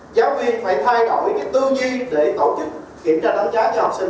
giáo viên phải thay đổi cái tư duy để tổ chức kiểm tra đánh giá cho học sinh